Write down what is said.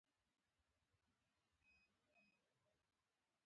د استوایي کرښې شاوخوا هوا ګرمه وي.